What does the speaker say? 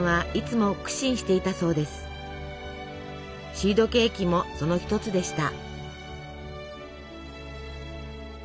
シードケーキもその一つでした。